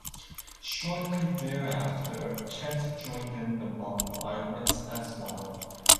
Shortly thereafter, "Kent" joined in the bombardment as well.